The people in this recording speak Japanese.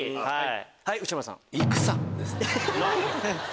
はい内村さん。